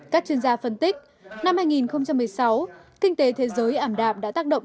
các chuyên gia phân tích năm hai nghìn một mươi sáu kinh tế thế giới ảm đạm đã tác động